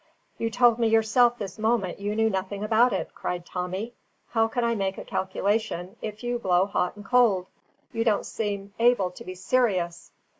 "You told me yourself this moment you knew nothing about it!" cried Tommy. "How can I make a calculation, if you blow hot and cold? You don't seem able to be serious!"